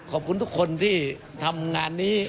ขอบคุณทุกคนที่ทำงานนี้